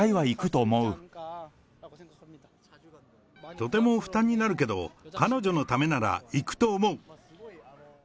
とても負担になるけど、彼女のためなら行くと思う。